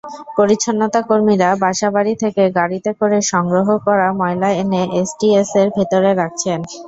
পরিচ্ছন্নতাকর্মীরা বাসাবাড়ি থেকে গাড়িতে করে সংগ্রহ করা ময়লা এনে এসটিএসের ভেতরে রাখছেন।